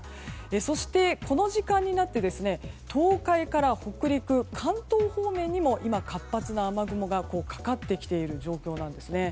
そして、この時間になって東海から北陸、関東方面にも今、活発な雨雲がかかってきている状況です。